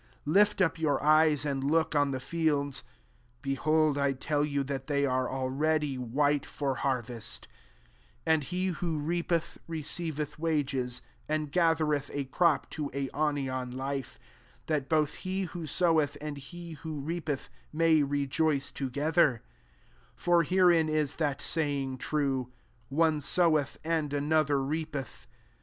Lift up your eyes, and look on the fields ; behold, I tell you, that thty are already white for har vest 36 jtnd he who reapeth, receireth wages, and gathereth a crop, to aionian life : that both he who soweth, and he who reapeth, may rejoice together : Sr for herein is that saying true, ' One soweth, and another reap eth.'